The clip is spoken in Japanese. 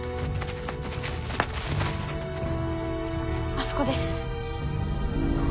あそこです。